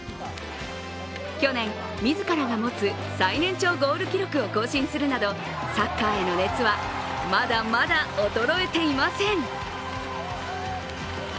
去年、自らが持つ最年長ゴール記録を更新するなどサッカーへの熱はまだまだ衰えていません。